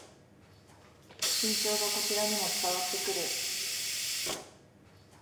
緊張がこちらにも伝わってくる